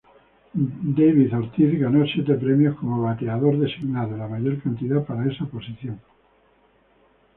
David Ortiz ganó siete premios como bateador designado, la mayor cantidad para esa posición.